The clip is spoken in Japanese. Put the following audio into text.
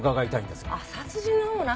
あっ殺人のほうな。